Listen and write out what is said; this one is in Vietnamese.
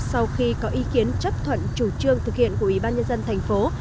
sau khi có ý kiến chấp thuận chủ trương thực hiện của ủy ban nhân dân thành phố